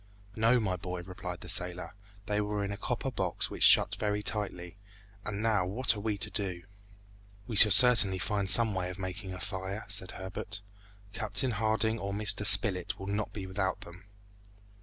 "No, my boy," replied the sailor; "they were in a copper box which shut very tightly; and now what are we to do?" "We shall certainly find some way of making a fire," said Herbert. "Captain Harding or Mr. Spilett will not be without them."